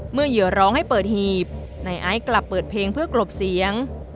เหยื่อร้องให้เปิดหีบนายไอซ์กลับเปิดเพลงเพื่อกลบเสียง